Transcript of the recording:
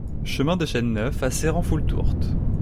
Chemin de Chêne Neuf à Cérans-Foulletourte